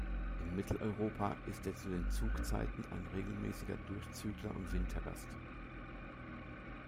In Mitteleuropa ist er zu den Zugzeiten ein regelmäßiger Durchzügler und Wintergast.